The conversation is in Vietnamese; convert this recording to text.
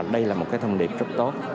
đây là một cái thông điệp rất tốt